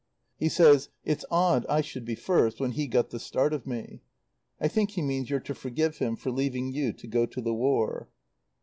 He says: 'It's odd I should be first when he got the start of me.' "(I think he means you're to forgive him for leaving you to go to the War.)"